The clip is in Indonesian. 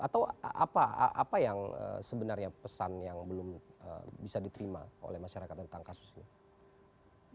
atau apa yang sebenarnya pesan yang belum bisa diterima oleh masyarakat tentang kasus ini